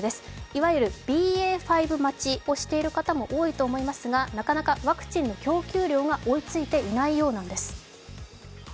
いわゆるＢＡ．５待ちをしている方も多いと思いますがなかなかワクチンの供給量が追いついていないようなんです。